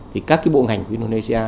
thì các cái bộ ngành của indonesia